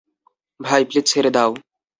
ভাই, প্লিজ ছেড়ে দাও।